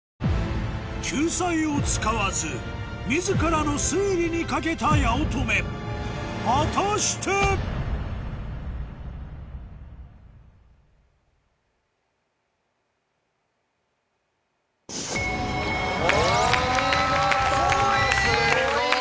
救済を使わず自らの推理に懸けた八乙女果たして⁉お見事すごい！